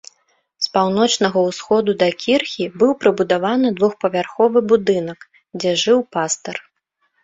З паўночнага ўсходу да кірхі быў прыбудаваны двухпавярховы будынак, дзе жыў пастар.